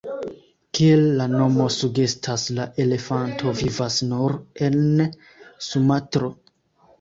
Kiel la nomo sugestas, la elefanto vivas nur en Sumatro.